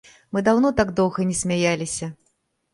Мы даўно так доўга не смяяліся!